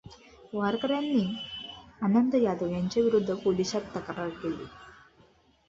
वारकऱ्यांनी आनंद यादव यांच्याविरुद्ध पोलिसात तक्रार केली.